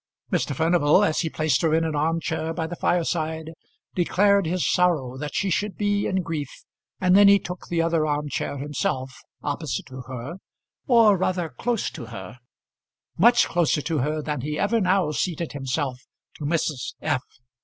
Mr. Furnival, as he placed her in an arm chair by the fireside, declared his sorrow that she should be in grief, and then he took the other arm chair himself, opposite to her, or rather close to her, much closer to her than he ever now seated himself to Mrs. F.